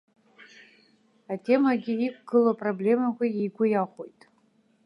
Атемагьы, иқәгылоу апроблемақәагьы игәы иахәоит.